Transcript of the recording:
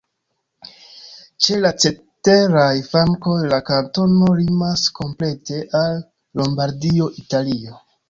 Ĉe la ceteraj flankoj la kantono limas komplete al Lombardio, Italio.